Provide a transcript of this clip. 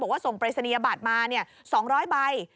ส่งปริศนียบัตรมา๒๐๐ใบ